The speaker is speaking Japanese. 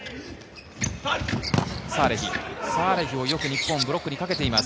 サーレヒ、サーレヒもよく日本にブロックをかけています。